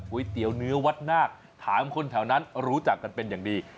เตี๋ยวเนื้อวัดนาคถามคนแถวนั้นรู้จักกันเป็นอย่างดี